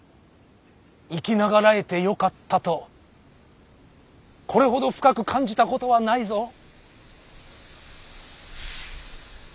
生き長らえてよかったとこれほど深く感じたことはないぞ。